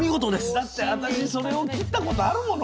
だって私それを切ったことあるもの。